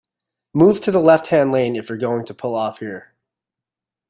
Move to the left-hand lane if you're going to pull off here